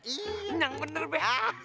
ih yang bener be